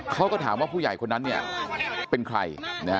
เขาก็ถามว่าผู้ใหญ่คนนั้นเป็นใคร